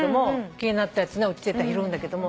気になったやつ落ちてたら拾うんだけども。